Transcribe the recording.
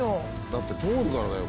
だって通るからだよ